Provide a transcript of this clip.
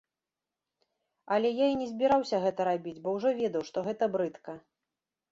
Але я і не збіраўся гэта рабіць, бо ўжо ведаў, што гэта брыдка.